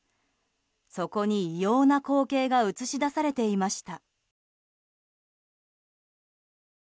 そこに異様な光景が映し出されていました。